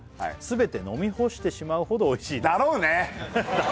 「全て飲み干してしまうほどおいしいです」だろうね！